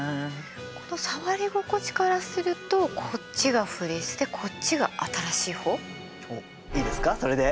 この触り心地からするとこっちがフリースでこっちが新しい方？おっいいですかそれで？